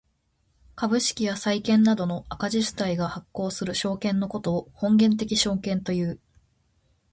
株式や債券などの赤字主体が発行する証券のことを本源的証券という。